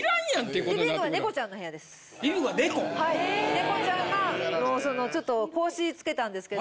猫ちゃんがもうちょっと格子つけたんですけど